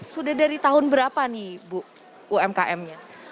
sudah dari tahun berapa nih bu umkmnya